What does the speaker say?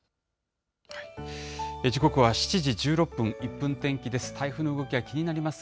時刻は７時１６分、１分天気です。